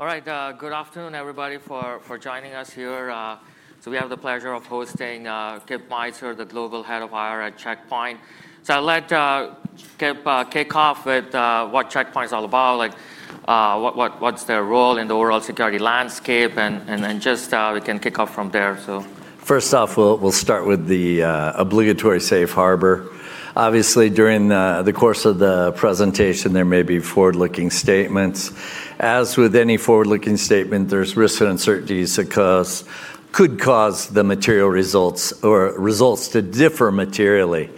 All right. Good afternoon, everybody, for joining us here. We have the pleasure of hosting Kip Meintzer, the Global Head of IR at Check Point. I'll let Kip kick off with what Check Point's all about, what's their role in the overall security landscape, and then just we can kick off from there. First off, we'll start with the obligatory Safe Harbor. Obviously, during the course of the presentation, there may be forward-looking statements. As with any forward-looking statement, there's risks and uncertainties that could cause the material results or results to differ materially.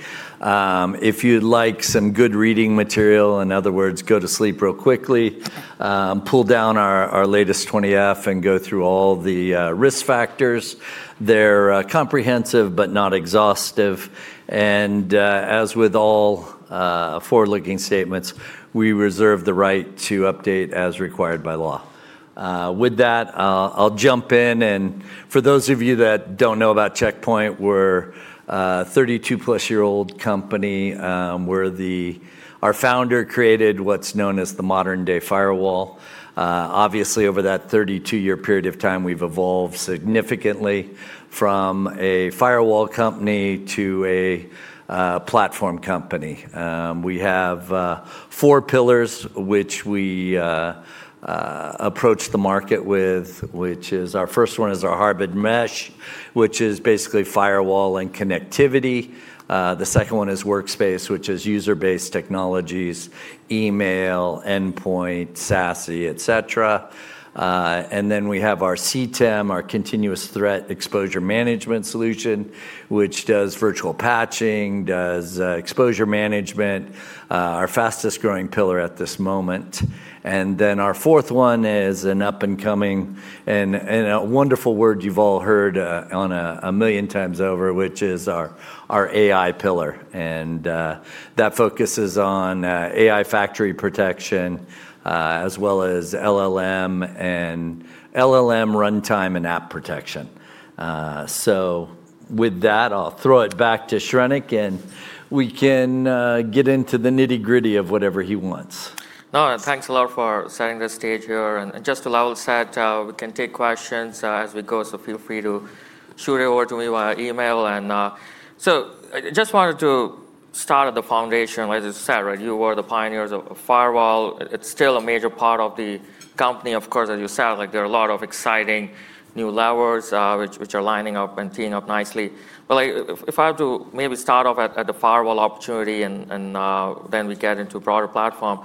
If you'd like some good reading material, in other words, go to sleep real quickly, pull down our latest 20-F and go through all the risk factors. They're comprehensive but not exhaustive. As with all forward-looking statements, we reserve the right to update as required by law. With that, I'll jump in. For those of you that don't know about Check Point, we're a 32+-year-old company. Our founder created what's known as the modern-day firewall. Obviously, over that 32-year period of time, we've evolved significantly from a firewall company to a platform company. We have four pillars which we approach the market with, which is our first one is our Hybrid Mesh, which is basically firewall and connectivity. The second one is Workspace, which is user-based technologies, email, endpoint, SASE, et cetera. We have our CTEM, our Continuous Threat Exposure Management solution, which does virtual patching, does exposure management, our fastest-growing pillar at this moment. Our fourth one is an up-and-coming and a wonderful word you've all heard on a million times over, which is our AI pillar. That focuses on AI factory protection, as well as LLM and LLM runtime and app protection. With that, I'll throw it back to Shrenik and we can get into the nitty-gritty of whatever he wants. No, thanks a lot for setting the stage here. Just to level set, we can take questions as we go, so feel free to shoot it over to me via email. I just wanted to start at the foundation, as you said, right? You were the pioneers of firewall. It's still a major part of the company, of course, as you said. There are a lot of exciting new levels, which are lining up and teeing up nicely. If I have to maybe start off at the firewall opportunity and then we get into a broader platform.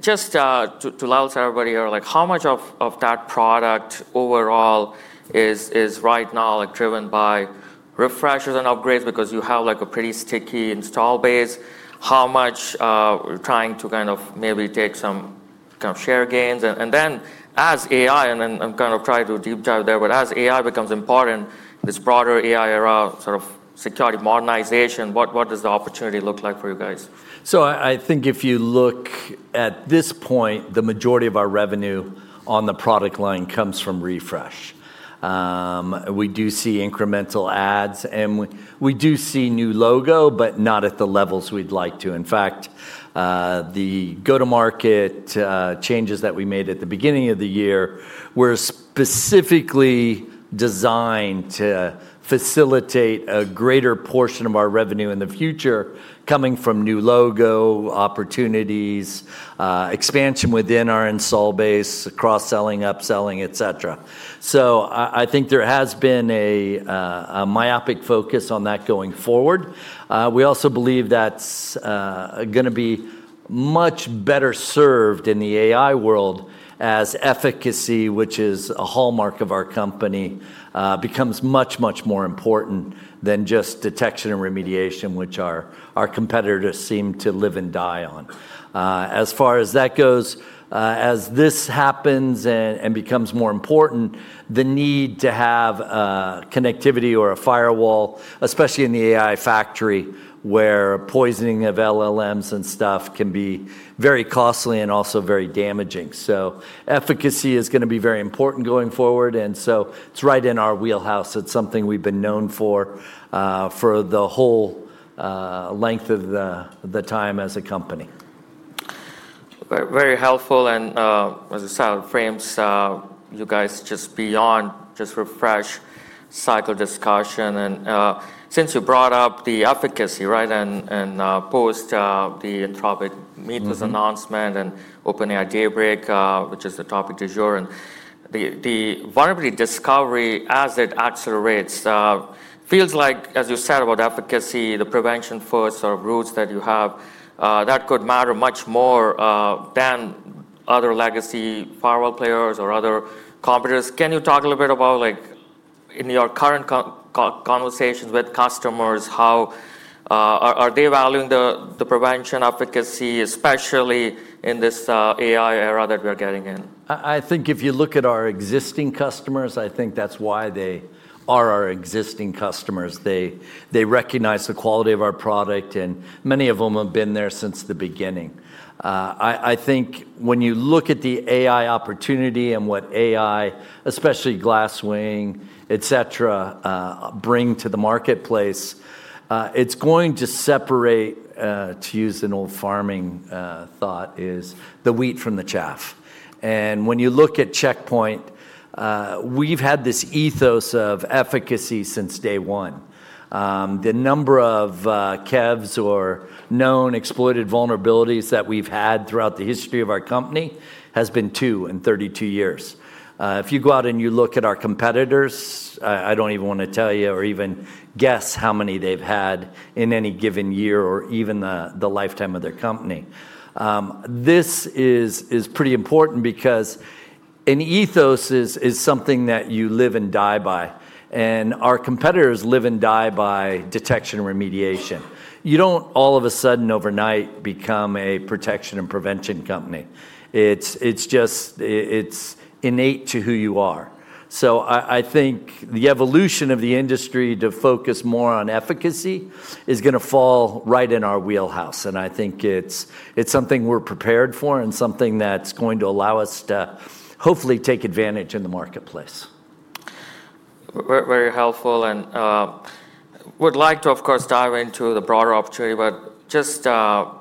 Just to level set everybody here, how much of that product overall is right now driven by refreshes and upgrades because you have a pretty sticky install base? How much trying to kind of maybe take some kind of share gains and then as AI, and I'm going to try to deep dive there, but as AI becomes important, this broader AI era sort of security modernization, what does the opportunity look like for you guys? I think if you look at this point, the majority of our revenue on the product line comes from refresh. We do see incremental adds, and we do see new logo, but not at the levels we'd like to. In fact, the go-to-market changes that we made at the beginning of the year were specifically designed to facilitate a greater portion of our revenue in the future coming from new logo opportunities, expansion within our install base, cross-selling, upselling, et cetera. I think there has been a myopic focus on that going forward. We also believe that's going to be much better served in the AI world as efficacy, which is a hallmark of our company, becomes much, much more important than just detection and remediation, which our competitors seem to live and die on. As far as that goes, as this happens and becomes more important, the need to have connectivity or a firewall, especially in the AI factory, where poisoning of LLMs and stuff can be very costly and also very damaging. Efficacy is going to be very important going forward, and so it's right in our wheelhouse. It's something we've been known for the whole length of the time as a company. Very helpful, as I said, it frames you guys just beyond just refresh cycle discussion. Since you brought up the efficacy, right, and post the [Claude Mythos this announcement. OpenAI [Daybreak], which is the topic du jour. The vulnerability discovery as it accelerates, feels like, as you said about efficacy, the prevention first sort of routes that you have, that could matter much more than other legacy firewall players or other competitors. Can you talk a little bit about, in your current conversations with customers, how are they valuing the prevention efficacy, especially in this AI era that we are getting in? I think if you look at our existing customers, I think that's why they are our existing customers. They recognize the quality of our product, and many of them have been there since the beginning. I think when you look at the AI opportunity and what AI, especially Glasswing, et cetera, bring to the marketplace, it's going to separate, to use an old farming thought, is the wheat from the chaff. When you look at Check Point, we've had this ethos of efficacy since day one. The number of CVEs, or known exploited vulnerabilities, that we've had throughout the history of our company has been two in 32 years. If you go out and you look at our competitors, I don't even want to tell you, or even guess how many they've had in any given year, or even the lifetime of their company. This is pretty important because an ethos is something that you live and die by, and our competitors live and die by detection remediation. You don't all of a sudden, overnight, become a protection and prevention company. It's innate to who you are. I think the evolution of the industry to focus more on efficacy is going to fall right in our wheelhouse, and I think it's something we're prepared for and something that's going to allow us to hopefully take advantage in the marketplace. Very helpful. Would like to, of course, dive into the broader opportunity, but just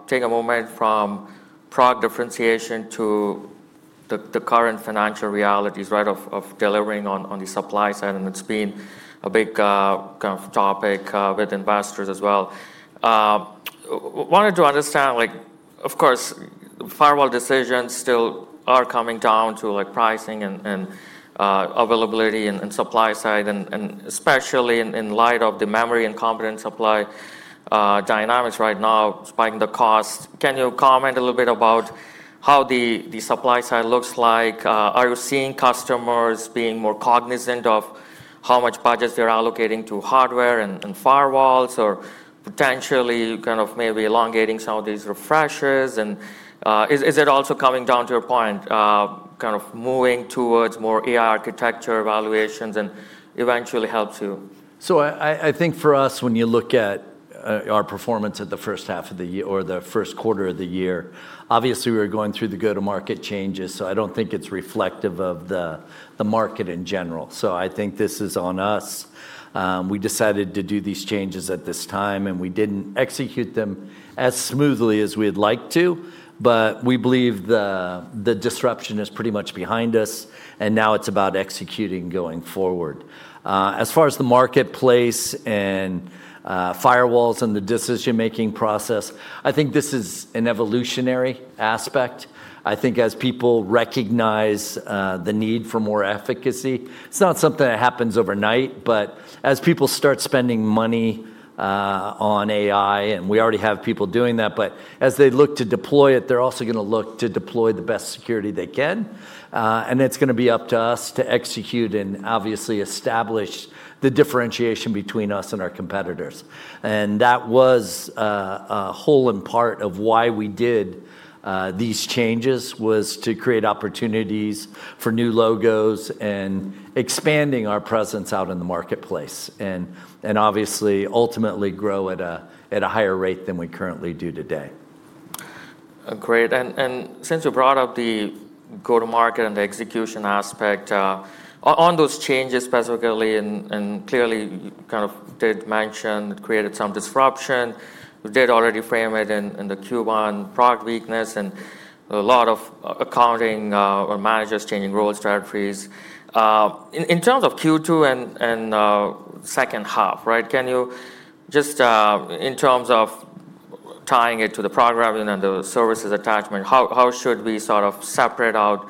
take a moment from product differentiation to the current financial realities of delivering on the supply side, and it's been a big topic with investors as well. Wanted to understand, of course, firewall decisions still are coming down to pricing and availability and supply side, and especially in light of the memory and component supply dynamics right now, spiking the cost. Can you comment a little bit about what the supply side looks like? Are you seeing customers being more cognizant of how much budgets they're allocating to hardware and firewalls, or potentially maybe elongating some of these refreshers? Is it also coming down to your point, moving towards more AI architecture evaluations and eventually helps you? I think for us, when you look at our performance at the first half of the year, or the first quarter of the year, obviously, we were going through the go-to-market changes, so I don't think it's reflective of the market in general. I think this is on us. We decided to do these changes at this time, and we didn't execute them as smoothly as we'd like to, but we believe the disruption is pretty much behind us, and now it's about executing going forward. As far as the marketplace and firewalls and the decision-making process, I think this is an evolutionary aspect. I think as people recognize the need for more efficacy, it's not something that happens overnight, but as people start spending money on AI, and we already have people doing that, but as they look to deploy it, they're also going to look to deploy the best security they can. It's going to be up to us to execute and obviously establish the differentiation between us and our competitors. That was a whole and part of why we did these changes, was to create opportunities for new logos and expanding our presence out in the marketplace, and obviously, ultimately grow at a higher rate than we currently do today. Great. Since you brought up the go-to-market and the execution aspect, on those changes specifically, and clearly you did mention it created some disruption. We did already frame it in the Q1 product weakness, and a lot of accounting, or managers changing growth strategies. In terms of Q2 and second half, in terms of tying it to the product revenue and the services attachment, how should we separate out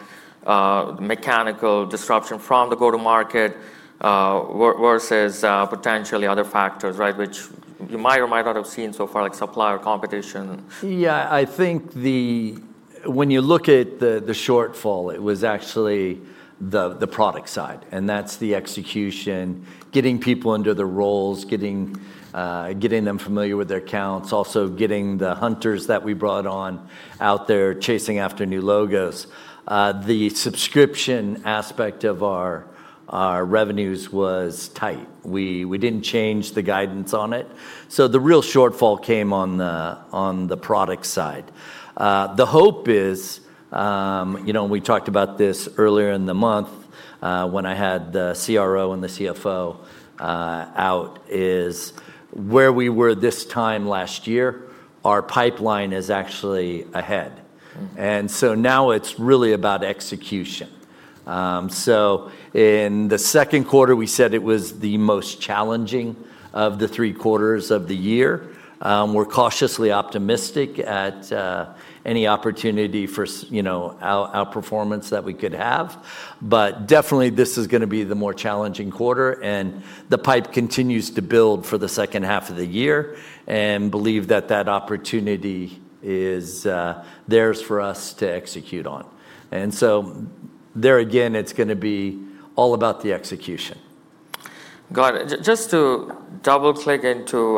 mechanical disruption from the go-to-market, versus potentially other factors, which you might or might not have seen so far, like supplier competition? Yeah. I think when you look at the shortfall, it was actually the product side, and that's the execution, getting people into the roles, getting them familiar with their accounts, also getting the hunters that we brought on out there chasing after new logos. The subscription aspect of our revenues was tight. We didn't change the guidance on it. The real shortfall came on the product side. The hope is, we talked about this earlier in the month when I had the CRO and the CFO out, is where we were this time last year, our pipeline is actually ahead. Now it's really about execution. In the second quarter, we said it was the most challenging of the three quarters of the year. We're cautiously optimistic at any opportunity for outperformance that we could have. Definitely, this is going to be the more challenging quarter, and the pipe continues to build for the second half of the year and believe that that opportunity is there for us to execute on. There again, it's going to be all about the execution. Got it. Just to double-click into,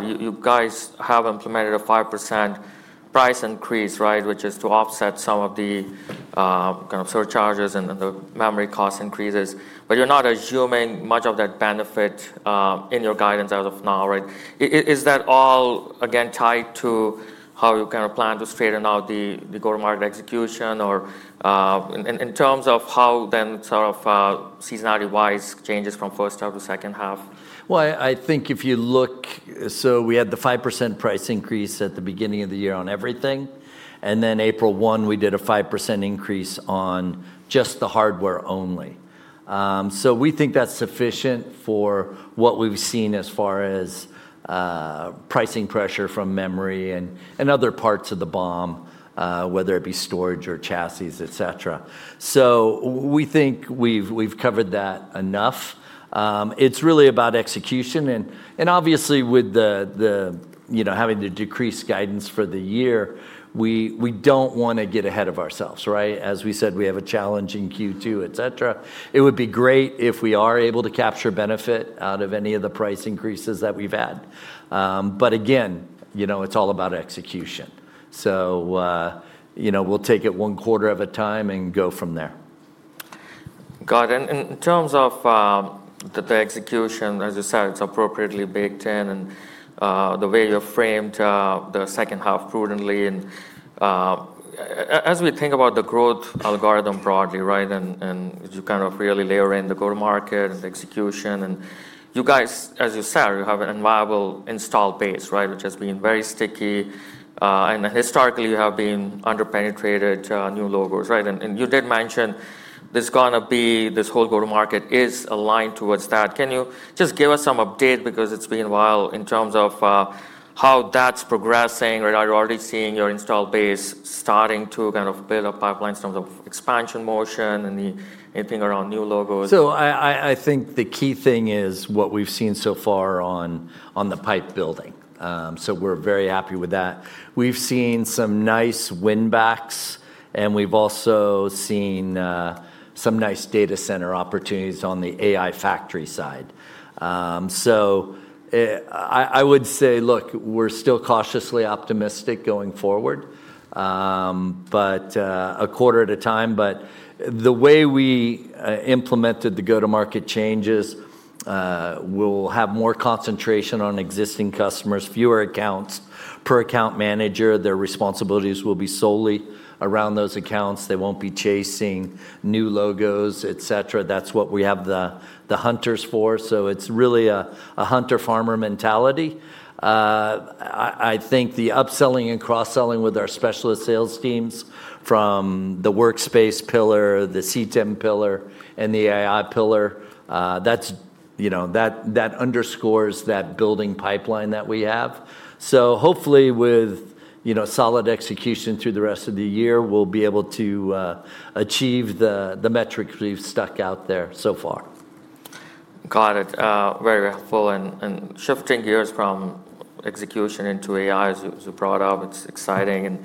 you guys have implemented a 5% price increase, which is to offset some of the surcharges and the memory cost increases. You're not assuming much of that benefit in your guidance as of now, right? Is that all, again, tied to how you plan to straighten out the go-to-market execution, or in terms of how then sort of seasonality-wise changes from first half to second half? Well, I think if you look, we had the 5% price increase at the beginning of the year on everything. April 1, we did a 5% increase on just the hardware only. We think that's sufficient for what we've seen as far as pricing pressure from memory and other parts of the BOM, whether it be storage or chassis, et cetera. We think we've covered that enough. It's really about execution and obviously with having the decreased guidance for the year, we don't want to get ahead of ourselves. Right? As we said, we have a challenge in Q2, et cetera. It would be great if we are able to capture benefit out of any of the price increases that we've had. Again, it's all about execution. We'll take it one quarter at a time and go from there. Got it. In terms of the execution, as you said, it's appropriately baked in and the way you framed the second half prudently and, as we think about the growth algorithm broadly, right? As you really layer in the go-to-market and the execution, and you guys, as you said, you have an enviable install base, which has been very sticky. Historically you have been under-penetrated new logos. Right? You did mention there's going to be this whole go-to-market is aligned towards that. Can you just give us some update because it's been a while in terms of how that's progressing or are you already seeing your install base starting to build a pipeline in terms of expansion motion and anything around new logos? I think the key thing is what we've seen so far on the pipe building. We're very happy with that. We've seen some nice win backs and we've also seen some nice data center opportunities on the AI factory side. I would say, look, we're still cautiously optimistic going forward, but a quarter at a time. The way we implemented the go-to-market changes, we'll have more concentration on existing customers, fewer accounts per account manager. Their responsibilities will be solely around those accounts. They won't be chasing new logos, et cetera. That's what we have the hunters for. It's really a hunter-farmer mentality. I think the upselling and cross-selling with our specialist sales teams from the Workspace pillar, the CTEM pillar, and the AI pillar, that underscores that building pipeline that we have. Hopefully with solid execution through the rest of the year, we'll be able to achieve the metrics we've stuck out there so far. Got it. Very helpful. Shifting gears from execution into AI, as you brought up, it's exciting, and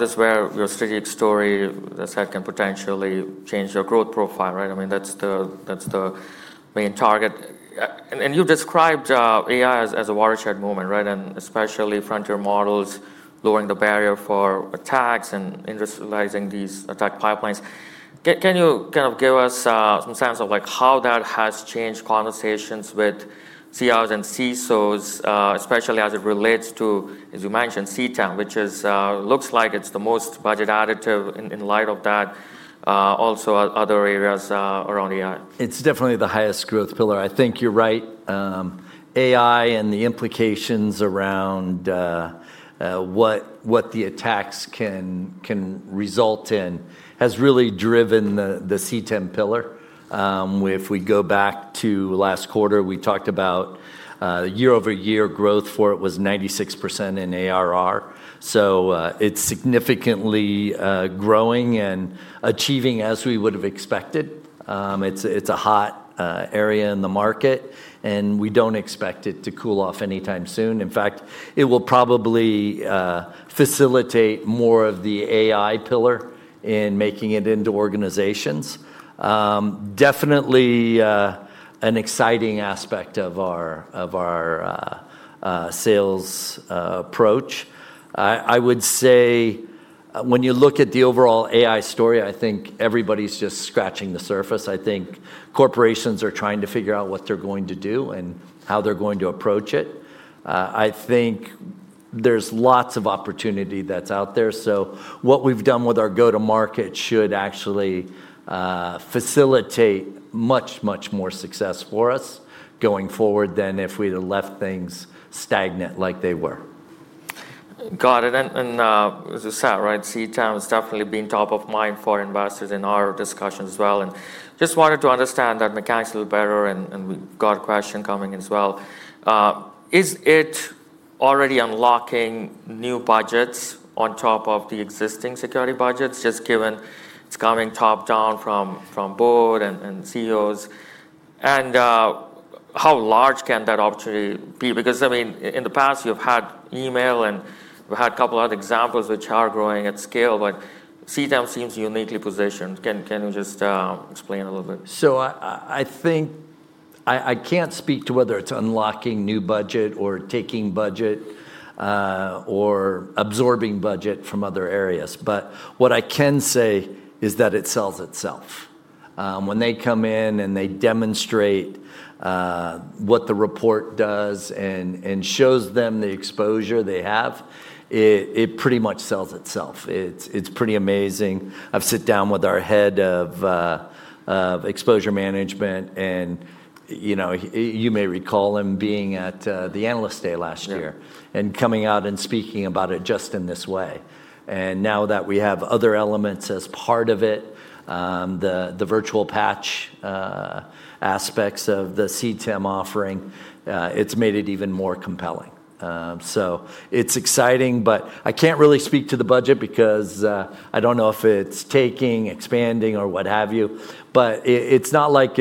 this is where your strategic story, as I said, can potentially change your growth profile, right? I mean, that's the main target. You've described AI as a watershed moment, right? Especially frontier models lowering the barrier for attacks and industrializing these attack pipelines. Can you give us some sense of how that has changed conversations with CIOs and CISOs, especially as it relates to, as you mentioned, CTEM, which looks like it's the most budget additive in light of that. Also other areas around AI. It's definitely the highest growth pillar. I think you're right. AI and the implications around what the attacks can result in has really driven the CTEM pillar. If we go back to last quarter, we talked about year-over-year growth for it was 96% in ARR. It's significantly growing and achieving as we would've expected. It's a hot area in the market, and we don't expect it to cool off anytime soon. In fact, it will probably facilitate more of the AI pillar in making it into organizations. Definitely an exciting aspect of our sales approach. I would say when you look at the overall AI story, I think everybody's just scratching the surface. I think corporations are trying to figure out what they're going to do and how they're going to approach it. I think there's lots of opportunity that's out there. What we've done with our go-to-market should actually facilitate much, much more success for us going forward than if we'd have left things stagnant like they were. Got it. As I said, CTEM has definitely been top of mind for investors in our discussions as well, and just wanted to understand that mechanics a little better and, we've got a question coming in as well. Is it already unlocking new budgets on top of the existing security budgets, just given it's coming top down from board and CEOs, and how large can that opportunity be? I mean, in the past you've had email and we've had a couple other examples which are growing at scale, but CTEM seems uniquely positioned. Can you just explain a little bit? I think I can't speak to whether it's unlocking new budget or taking budget, or absorbing budget from other areas. What I can say is that it sells itself. When they come in and they demonstrate what the report does and shows them the exposure they have, it pretty much sells itself. It's pretty amazing. I've sat down with our head of exposure management. You may recall him being at the Analyst Day last year. Yeah. Coming out and speaking about it just in this way. Now that we have other elements as part of it, the virtual patch aspects of the CTEM offering, it's made it even more compelling. It's exciting, but I can't really speak to the budget because I don't know if it's taking, expanding, or what have you. But it's not like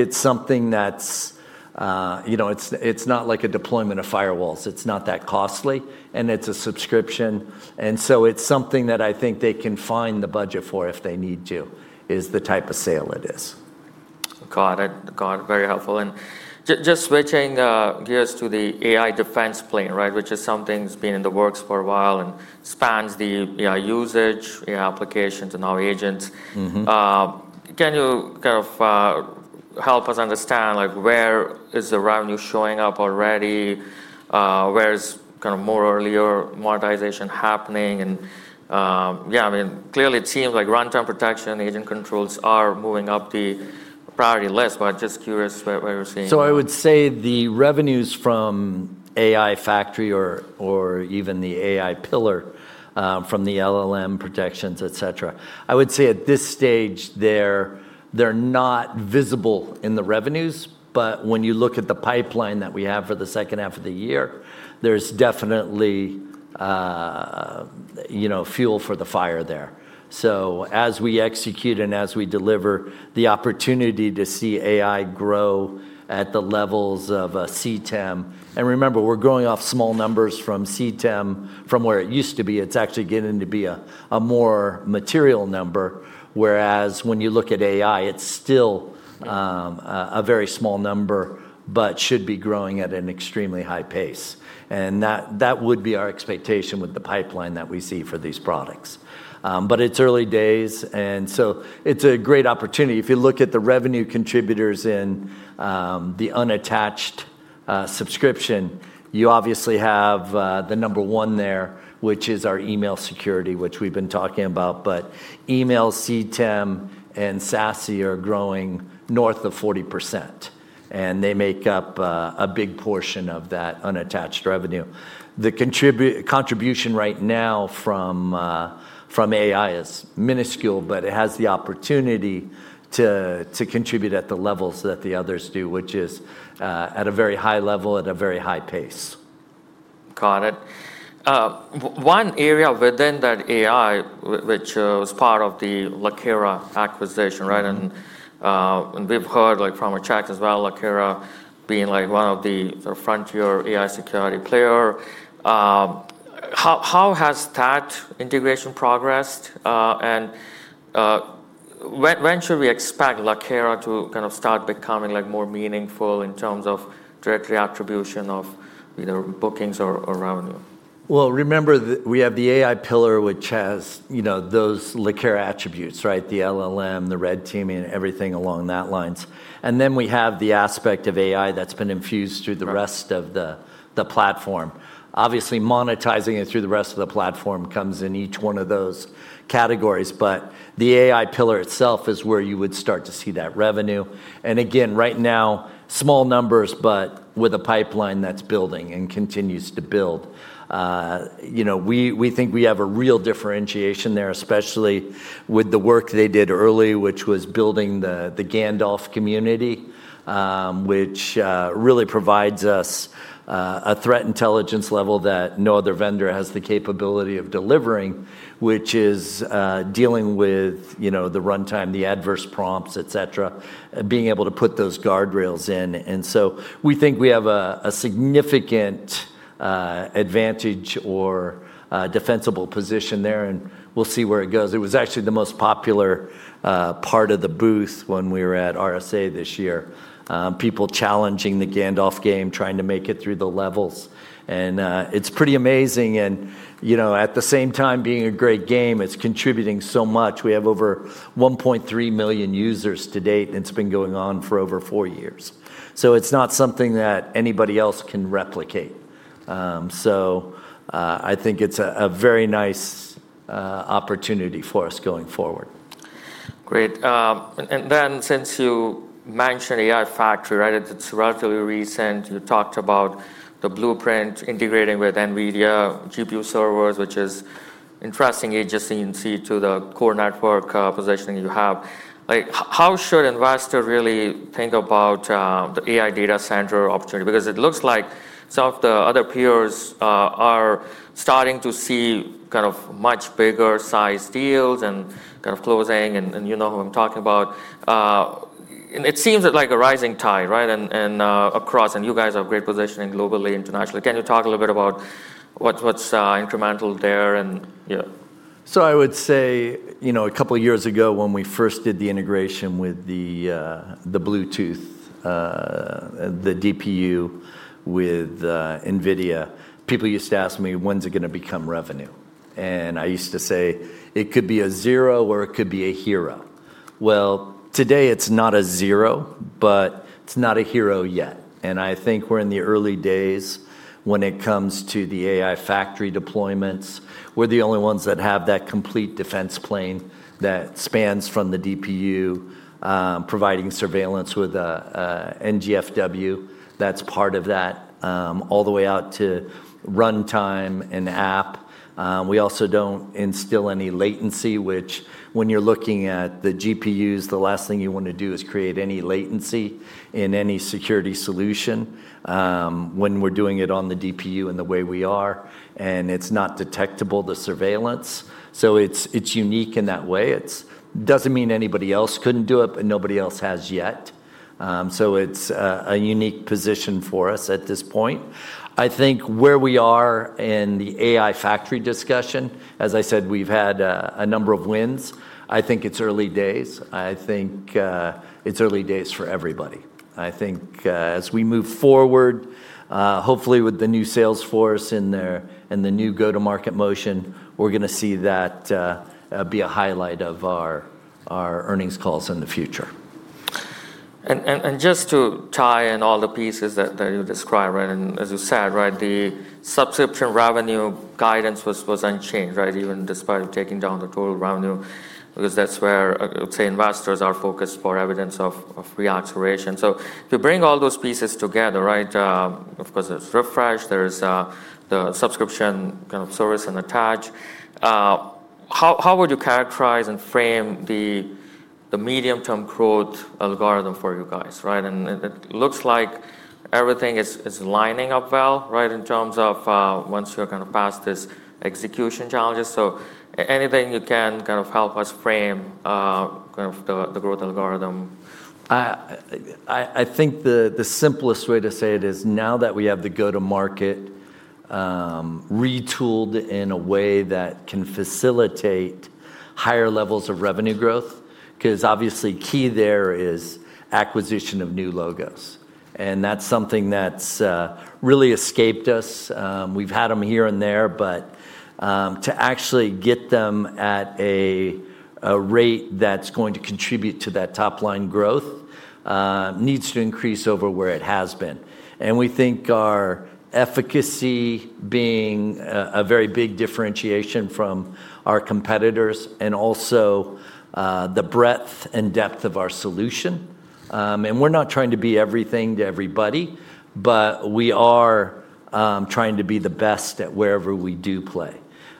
a deployment of firewalls. It's not that costly, and it's a subscription. It's something that I think they can find the budget for if they need to, is the type of sale it is. Got it. Very helpful. Just switching gears to the AI defense plane, which is something that's been in the works for a while and spans the AI usage, AI applications, and now agents. Can you help us understand where is the revenue showing up already? Where is more earlier monetization happening? Yeah, clearly it seems like runtime protection, agent controls are moving up the priority list, but just curious what you're seeing. I would say the revenues from AI factory or even the AI pillar from the LLM protections, et cetera, I would say at this stage, they're not visible in the revenues. When you look at the pipeline that we have for the second half of the year, there's definitely fuel for the fire there. As we execute and as we deliver the opportunity to see AI grow at the levels of a CTEM, and remember, we're growing off small numbers from CTEM from where it used to be. It's actually getting to be a more material number, whereas when you look at AI, it's still a very small number, but should be growing at an extremely high pace. That would be our expectation with the pipeline that we see for these products. It's early days, it's a great opportunity. If you look at the revenue contributors in the unattached subscription, you obviously have the number one there, which is our email security, which we've been talking about. Email CTEM and SASE are growing north of 40%, and they make up a big portion of that unattached revenue. The contribution right now from AI is minuscule, but it has the opportunity to contribute at the levels that the others do, which is at a very high level at a very high pace. Got it. One area within that AI, which was part of the Lakera acquisition, right? We've heard from as well, Lakera being one of the frontier AI security player. How has that integration progressed? When should we expect Lakera to start becoming more meaningful in terms of direct attribution of either bookings or revenue? Remember that we have the AI pillar, which has those Lakera attributes, right? The LLM, the red teaming, everything along that lines. We have the aspect of AI that's been infused through the rest of the platform. Obviously, monetizing it through the rest of the platform comes in each one of those categories. The AI pillar itself is where you would start to see that revenue. Right now, small numbers, but with a pipeline that's building and continues to build. We think we have a real differentiation there, especially with the work they did early, which was building the Gandalf community, which really provides us a threat intelligence level that no other vendor has the capability of delivering, which is dealing with the runtime, the adverse prompts, et cetera, and being able to put those guardrails in. We think we have a significant advantage or defensible position there, and we'll see where it goes. It was actually the most popular part of the booth when we were at RSA this year. People challenging the Gandalf game, trying to make it through the levels. It's pretty amazing and at the same time being a great game, it's contributing so much. We have over 1.3 million users to date, and it's been going on for over four years. It's not something that anybody else can replicate. I think it's a very nice opportunity for us going forward. Great. Since you mentioned AI factory, it's relatively recent. You talked about the blueprint integrating with NVIDIA GPU servers, which is interesting adjacency to the core network positioning you have. How should investor really think about the AI data center opportunity? It looks like some of the other peers are starting to see much bigger size deals and closing and you know who I'm talking about. It seems like a rising tide, right? Across, you guys are great positioning globally, internationally. Can you talk a little bit about what's incremental there? I would say, a couple of years ago when we first did the integration with the Bluetooth, the DPU with NVIDIA, people used to ask me, "When's it going to become revenue?" I used to say it could be a zero or it could be a hero. Well, today it's not a zero, but it's not a hero yet. I think we're in the early days when it comes to the AI factory deployments. We're the only ones that have that complete defense plane that spans from the DPU, providing surveillance with a NGFW. That's part of that, all the way out to runtime and app. We also don't instill any latency, which when you're looking at the GPUs, the last thing you want to do is create any latency in any security solution. When we're doing it on the DPU in the way we are, and it's not detectable, the surveillance. It's unique in that way. It doesn't mean anybody else couldn't do it, but nobody else has yet. It's a unique position for us at this point. I think where we are in the AI factory discussion, as I said, we've had a number of wins. I think it's early days. I think it's early days for everybody. I think as we move forward, hopefully with the new sales force and the new go-to-market motion, we're going to see that be a highlight of our earnings calls in the future. Just to tie in all the pieces that you described, and as you said. The subscription revenue guidance was unchanged, even despite taking down the total revenue, because that's where, let's say, investors are focused for evidence of re-acceleration. To bring all those pieces together, of course, there's refresh, there's the subscription service and attach. How would you characterize and frame the medium-term growth algorithm for you guys? It looks like everything is lining up well in terms of once you're past these execution challenges. Anything you can help us frame the growth algorithm. I think the simplest way to say it is now that we have the go-to-market retooled in a way that can facilitate higher levels of revenue growth, because obviously key there is acquisition of new logos. That's something that's really escaped us. We've had them here and there, but to actually get them at a rate that's going to contribute to that top-line growth needs to increase over where it has been. We think our efficacy being a very big differentiation from our competitors and also the breadth and depth of our solution. We're not trying to be everything to everybody, but we are trying to be the best at wherever we do play.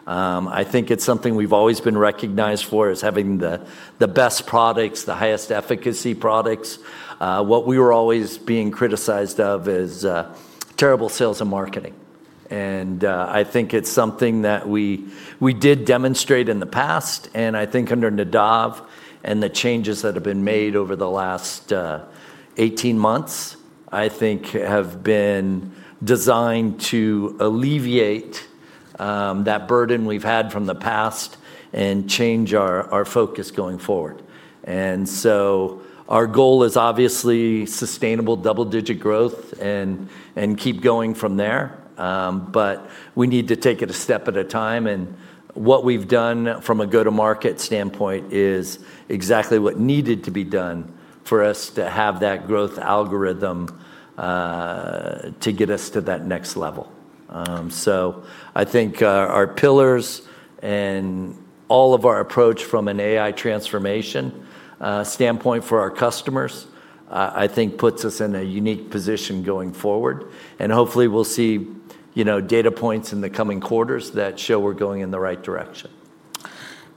I think it's something we've always been recognized for is having the best products, the highest efficacy products. What we were always being criticized of is terrible sales and marketing. I think it's something that we did demonstrate in the past, and I think under Nadav and the changes that have been made over the last 18 months, I think have been designed to alleviate that burden we've had from the past and change our focus going forward. Our goal is obviously sustainable double-digit growth and keep going from there. We need to take it a step at a time, and what we've done from a go-to-market standpoint is exactly what needed to be done for us to have that growth algorithm to get us to that next level. I think our pillars and all of our approach from an AI transformation standpoint for our customers, I think puts us in a unique position going forward. Hopefully we'll see data points in the coming quarters that show we're going in the right direction.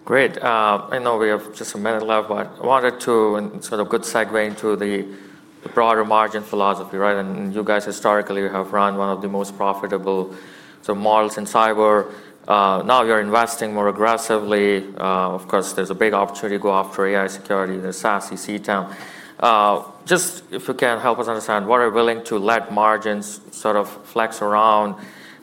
Great. I know we have just a minute left, but I wanted to sort of good segue into the broader margin philosophy. You guys historically have run one of the most profitable models in cyber. Now you're investing more aggressively. Of course, there's a big opportunity to go after AI security in the SASE CTEM. Just if you can help us understand what are willing to let margins sort of flex around,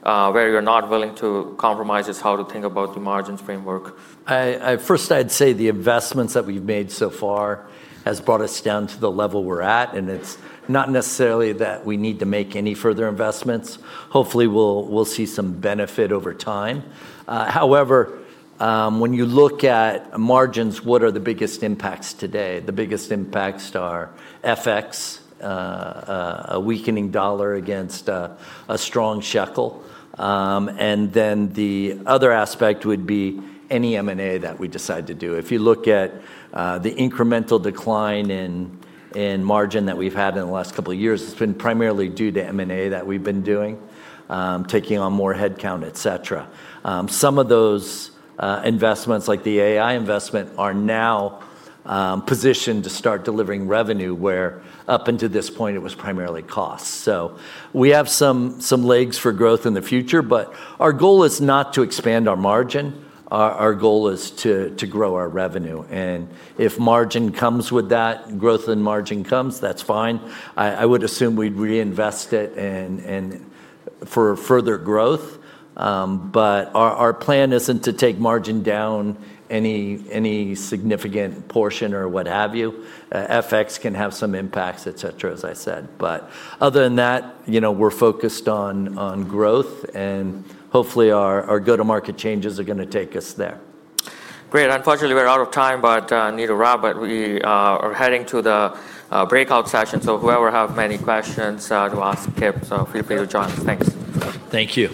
where you're not willing to compromise, just how to think about the margins framework. First, I'd say the investments that we've made so far has brought us down to the level we're at, and it's not necessarily that we need to make any further investments. Hopefully, we'll see some benefit over time. However, when you look at margins, what are the biggest impacts today? The biggest impacts are FX, a weakening dollar against a strong shekel. The other aspect would be any M&A that we decide to do. If you look at the incremental decline in margin that we've had in the last couple of years, it's been primarily due to M&A that we've been doing, taking on more headcount, et cetera. Some of those investments, like the AI investment, are now positioned to start delivering revenue, where up until this point, it was primarily cost. We have some legs for growth in the future, but our goal is not to expand our margin. Our goal is to grow our revenue. If margin comes with that growth and margin comes, that's fine. I would assume we'd reinvest it and for further growth. Our plan isn't to take margin down any significant portion or what have you. FX can have some impacts, et cetera, as I said. Other than that, we're focused on growth, and hopefully our go-to-market changes are going to take us there. Great. Unfortunately, we're out of time, but I need to wrap. We are heading to the breakout session, so whoever have many questions to ask Kip, so feel free to join. Thanks. Thank you.